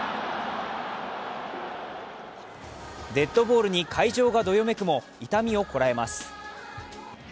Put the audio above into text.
デッドボールに会場がどよめくも痛みをこらえます。